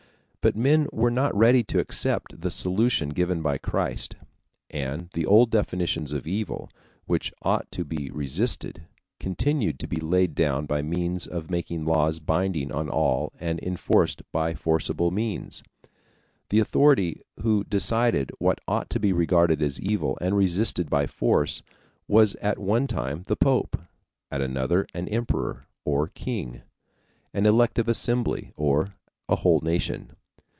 But men were not ready to accept the solution given by Christ, and the old definitions of evil, which ought to be resisted, continued to be laid down by means of making laws binding on all and enforced by forcible means. The authority who decided what ought to be regarded as evil and resisted by force was at one time the Pope, at another an emperor or king, an elective assembly or a whole nation.